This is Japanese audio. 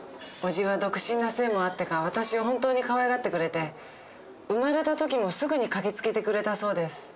叔父は独身なせいもあってか私を本当にかわいがってくれて産まれた時もすぐに駆けつけてくれたそうです。